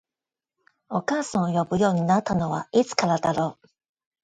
お母さんと呼ぶようになったのはいつからだろう？